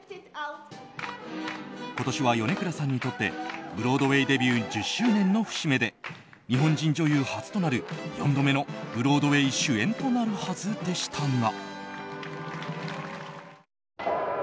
今年は米倉さんにとってブロードウェーデビュー１０周年の節目で日本人女優初となる、４度目のブロードウェー主演となるはずでしたが。